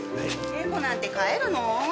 猫なんて飼えるの？